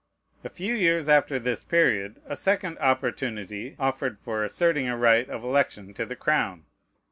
A few years after this period, a second opportunity offered for asserting a right of election to the crown.